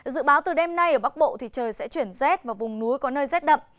dự báo từ đêm nay ở bắc bộ thì trời sẽ chuyển rét và vùng núi có nơi rét đậm